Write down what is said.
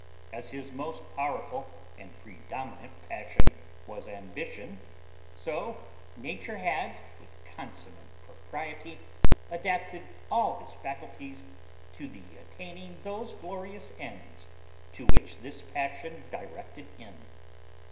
As his most powerful and predominant passion was ambition, so nature had, with consummate propriety, adapted all his faculties to the attaining those glorious ends to which this passion directed him.